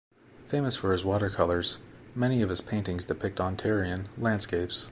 Famous for his watercolours, many of his paintings depict Ontarian landscapes.